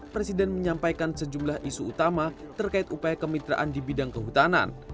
presiden menyampaikan sejumlah isu utama terkait upaya kemitraan di bidang kehutanan